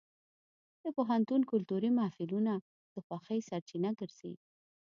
د پوهنتون کلتوري محفلونه د خوښۍ سرچینه ګرځي.